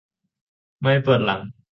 ไม่ปวดหลัง